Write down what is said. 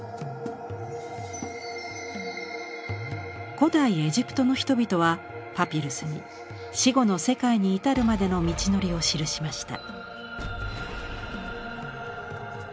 古代エジプトの人々はパピルスに死後の世界に至るまでの道のりを記しました。